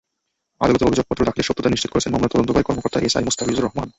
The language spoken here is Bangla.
আদালতে অভিযোগপত্র দাখিলের সত্যতা নিশ্চিত করেছেন মামলার তদন্তকারী কর্মকর্তা এসআই মোস্তাফিজুর রহমান।